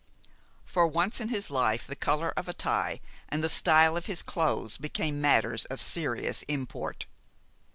For once in his life the color of a tie and the style of his clothes became matters of serious import.